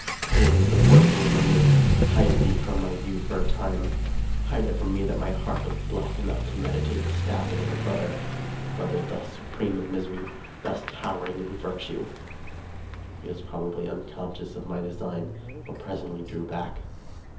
O insupportable remembrance! hide thee from my view for a time ; hide it from me that my heart was black enough to meditate the stabbing of a brother ! a brother thus su preme in misery ; thus towering in virtue ! He was probably unconscious of my design, but pres ently drew back.